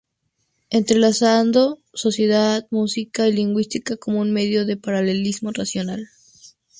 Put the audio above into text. Entrelazando: sociedad, música y lingüística como un medio de paralelismo racional.